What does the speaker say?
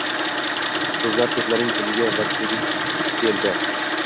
so‘zlar ko‘plarning diliga va tiliga keldi.